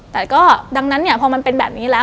แต่ก็ดังนั้นเนี่ยพอมันเป็นแบบนี้แล้ว